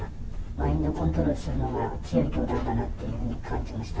マインドコントロールするのが、強い教団だなっていうふうに感じました。